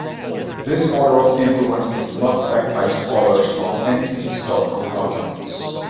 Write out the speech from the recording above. This order of influence is not backed by scholars, nor any historical documents.